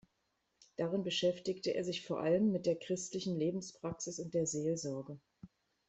Darin beschäftigte er sich vor allem mit der christlichen Lebenspraxis und der Seelsorge.